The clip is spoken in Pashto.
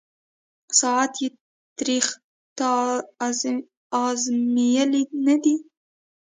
ساعت یې تریخ » تا آزمېیلی نه دی